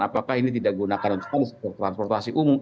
apakah ini tidak gunakan untuk transportasi umum